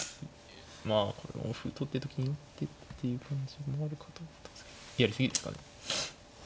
まあこの歩取ってと金寄ってっていう感じになるかと思ったんですけどやり過ぎですかね。